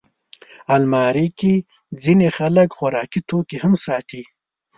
الماري کې ځینې خلک خوراکي توکي هم ساتي